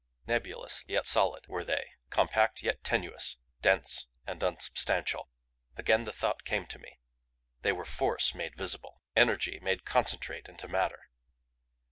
Nebulous, yet solid, were they; compact, yet tenuous, dense and unsubstantial. Again the thought came to me they were force made visible; energy made concentrate into matter.